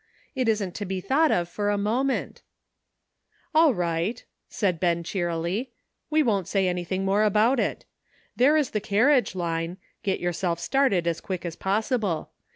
It isn't to be thought of for a moment." "All right," said Ben cheerily, "we won't say anything more about it. There is the car riage, Line; get yourself started as quick as possible.